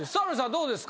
どうですか？